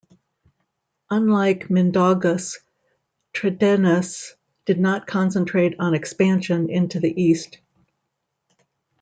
Unlike Mindaugas, Traidenis did not concentrate on expansion into the east.